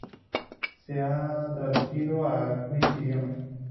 Se ha traducido a quince idiomas.